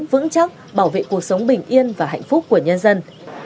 vững chắc bảo vệ cuộc sống bình yên và hạnh phúc của nhân dân